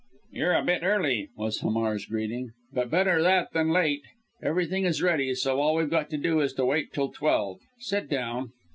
"You're a bit early!" was Hamar's greeting, "but better that than late. Everything is ready, and all we've got to do is to wait till twelve. Sit down."